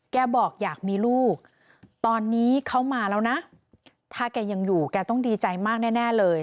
บอกอยากมีลูกตอนนี้เขามาแล้วนะถ้าแกยังอยู่แกต้องดีใจมากแน่เลย